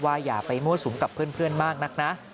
อย่าไปมั่วสุมกับเพื่อนมากนักนะ